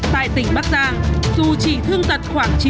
tại tỉnh bắc giang dù chỉ thương tật khoảng chín